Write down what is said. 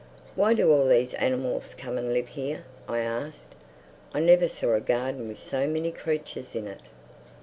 "Why do all these animals come and live here?" I asked. "I never saw a garden with so many creatures in it."